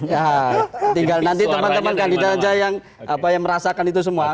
ya tinggal nanti teman teman kandidat aja yang merasakan itu semua